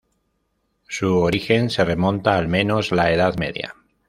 Su origen se remonta al menos la Edad Media.